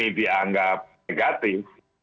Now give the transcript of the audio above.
ini dianggap negatif